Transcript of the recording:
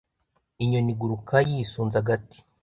Inyoni iguruka yisunze agati.